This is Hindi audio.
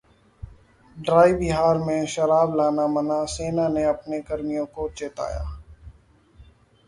ड्राई बिहार में शराब लाना मना, सेना ने अपने कर्मियों को चेताया